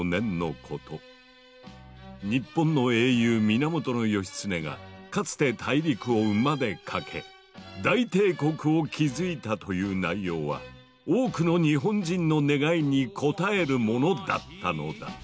日本の英雄源義経がかつて大陸を馬で駆け大帝国を築いたという内容は多くの日本人の願いに応えるものだったのだ。